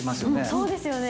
そうですよね。